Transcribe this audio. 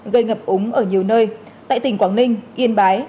gây ngập úng ở nhiều nơi tại tỉnh quảng ninh yên bái